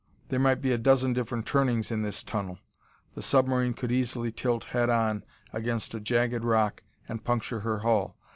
There might be a dozen different turnings in this tunnel: the submarine could easily tilt head on against a jagged rock and puncture her hull.